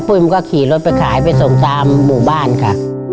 มันก็ขี่รถไปขายไปส่งตามหมู่บ้านค่ะ